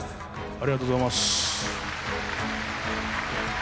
ありがとうございます。